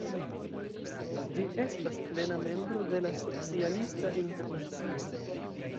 Ĝi estas plena membro de la Socialista Internacio.